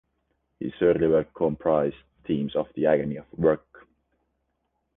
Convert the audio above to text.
His early work comprised themes of the agony of work.